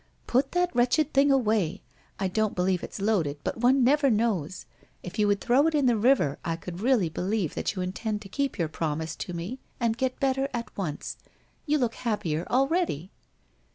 ' Put that wretched thing away. I don't believe it's loaded, but one never knows! If you would throw it in the river I could really believe that you intend to keep your promise to me and get better at once. You look happier already.'